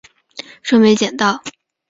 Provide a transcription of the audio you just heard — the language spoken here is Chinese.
说没捡到